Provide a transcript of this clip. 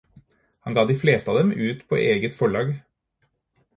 Han ga de fleste av dem ut på eget forlag.